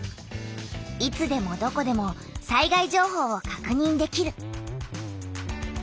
いつでもどこでも災害情報をかくにんできる。